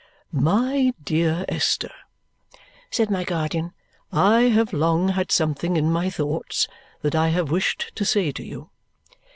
"My dear Esther," said my guardian, "I have long had something in my thoughts that I have wished to say to you."